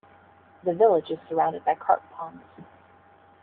The village is surrounded by carp ponds.